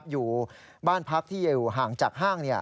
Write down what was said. อยู่บ้านพักที่อยู่ห่างจากห้าง